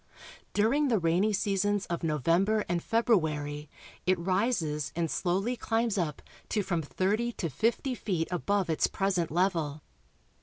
Dur ing the rainy seasons of November and February it rises and slowly climbs up to from thirty to fifty feet above its present level.